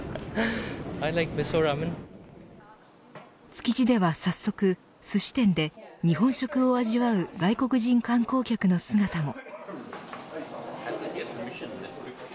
築地では早速すし店で日本食を味わう外国人観光客の姿も。